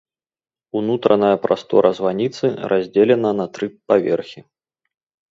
Унутраная прастора званіцы раздзелена на тры паверхі.